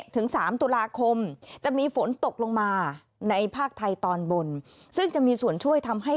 ถึง๓ตุลาคมจะมีฝนตกลงมาในภาคไทยตอนบนซึ่งจะมีส่วนช่วยทำให้